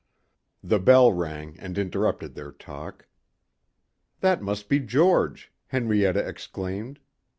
The bell rang and interrupted their talk. "That must be George," Henrietta exclaimed.